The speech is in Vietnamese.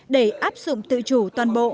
để áp dụng tự chủ toàn bộ